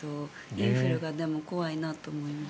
インフルが怖いなと思います。